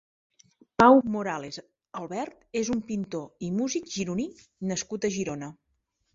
Pau Morales Albert és un pintor i músic gironí nascut a Girona.